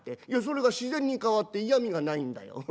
いやそれが自然に変わって嫌みがないんだよ。